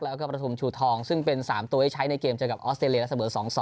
แล้วก็ประทุมชูทองซึ่งเป็น๓ตัวที่ใช้ในเกมเจอกับออสเตรเลียและเสมอ๒๒